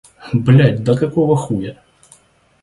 Блять, да какого хуя!